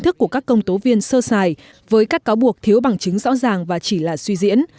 thức của các công tố viên sơ xài với các cáo buộc thiếu bằng chứng rõ ràng và chỉ là suy diễn